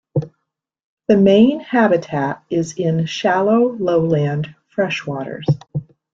The main habitat is in shallow lowland freshwaters.